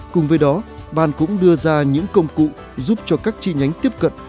cùng với đó ban cũng đưa ra những công cụ giúp cho các chi nhánh tiếp cận